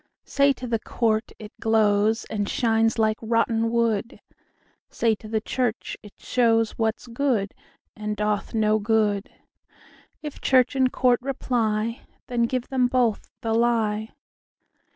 Say to the court, it glowsAnd shines like rotten wood; Say to the church, it showsWhat's good, and doth no good:If church and court reply, Then give them both the lie.